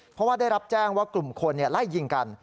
เพราะว่าได้รับแจ้งว่ากลุ่มคนไล่ยิงกัน